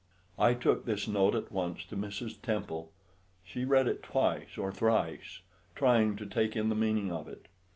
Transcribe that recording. I took his note at once to Mrs. Temple. She read it twice or thrice, trying to take in the meaning of it.